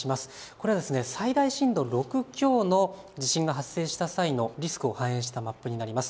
これは最大震度６強の地震が発生した際のリスクを反映したマップになります。